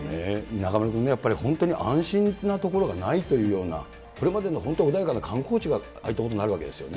中丸君ね、やっぱり本当に安心な所がないというような、これまでの本当、穏やかな観光地がああいったことになるわけですよね。